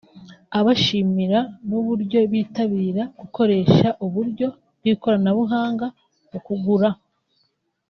abashimira n’uburyo bitabira gukoresha uburyo bw’ikoranabuhanga mu kugura